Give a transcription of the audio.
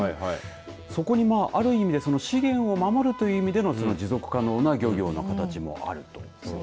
そこにある意味で資源を守るという意味での持続可能な漁業の形もあると。